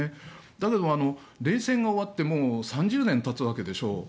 だけど、冷戦が終わってもう３０年たつわけでしょう。